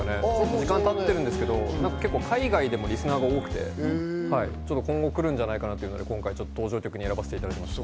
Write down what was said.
時間経ってるんですけど、海外でもリスナーが多くて、今後来るんじゃないかなということで今回選ばせていただきました。